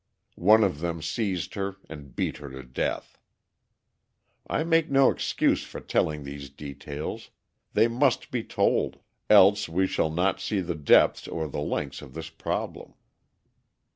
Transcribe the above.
One of them seized her and beat her to death. I make no excuse for telling these details; they must be told, else we shall not see the depths or the lengths of this problem.